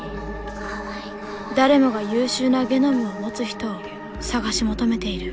誰もが優秀なゲノムを持つ人を探し求めている。